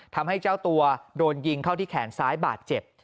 ทำให้เจ้าตัวโดนยิงเข้าที่แขนซ้ายบาดเจ็บ